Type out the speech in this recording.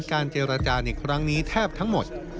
การเจรจาในครั้งนี้แทบทั้งหมด